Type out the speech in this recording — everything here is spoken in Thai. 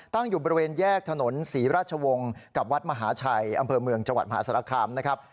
ตั้งอยู่บริเวณแยกถนนศรีราชวงศ์กับวัดมหาชัยอำเภอเมืองจังหวัดมหาศาลคามนะครับ